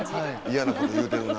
嫌なこと言うてるな。